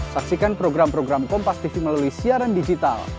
saksikan program program kompastv melalui siaran digital